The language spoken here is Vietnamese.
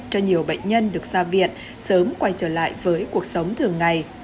cho nhiều bệnh nhân được ra viện sớm quay trở lại với cuộc sống thường ngày